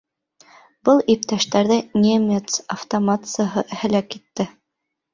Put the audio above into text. Был иптәштәрҙе немец автоматсыһы һәләк итте.